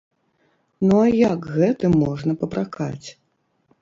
Ну а як гэтым можна папракаць?